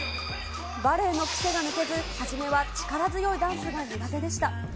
バレエの癖が抜けず、初めは力強いダンスが苦手でした。